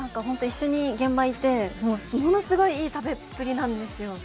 一緒に現場にいて、ものすごくいい食べっぷりなんですよ。